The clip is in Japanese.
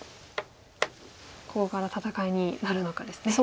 ここから戦いになるのかですね。